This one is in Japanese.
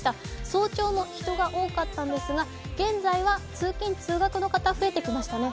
早朝も人が多かったんですが現在は通勤通学の方、増えてきましたね。